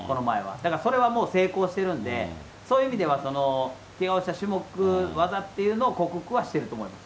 だからそれはもう成功してるんで、そういう意味では、けがをした種目、技っていうのは克服はしてると思います。